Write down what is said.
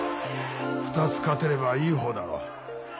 ２つ勝てればいい方だろう。